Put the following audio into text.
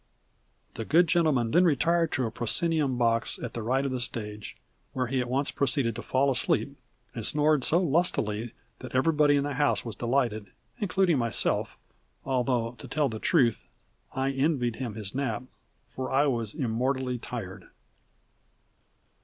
The good gentleman then retired to a proscenium box at the right of the stage, where he at once proceeded to fall asleep, and snored so lustily that everybody in the house was delighted, including myself although, to tell the truth, I envied him his nap, for I was immortally tired.